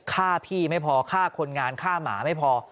ฆ่าพี่ไม่พอฆ่าคนงานฆ่าหมาไม่พอ